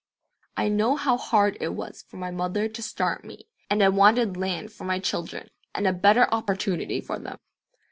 "I know how hard it was for my mother to start me, and I wanted land for my children and a better opportunity for them."